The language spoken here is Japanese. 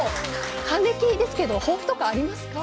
還暦ですけど抱負とかありますか？